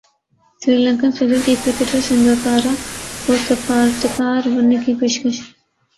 سری لنکن صدر کی کرکٹر سنگاکارا کو سفارتکار بننے کی پیشکش